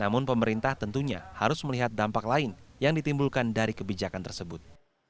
namun pemerintah tentunya harus melihat dampak lain yang ditimbulkan dari kebijakan tersebut